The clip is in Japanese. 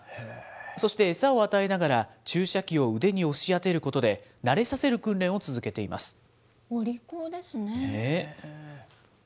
そして餌を与えながら注射器を腕に押し当てることで、慣れさせるお利口ですね。